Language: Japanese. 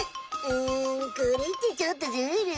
うんこれってちょっとズル。